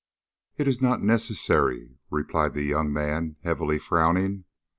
"It is not necessary," replied the young man, heavily frowning.